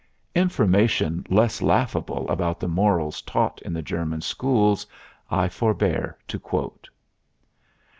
Information less laughable about the morals taught in the German schools I forbear to quote.